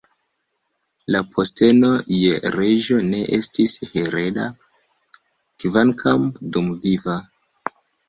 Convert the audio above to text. La posteno je reĝo ne estis hereda, kvankam dumviva.